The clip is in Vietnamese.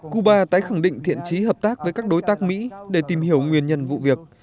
cuba tái khẳng định thiện trí hợp tác với các đối tác mỹ để tìm hiểu nguyên nhân vụ việc